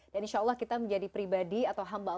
dan insya allah kita menjadi pribadi atau hamba hamba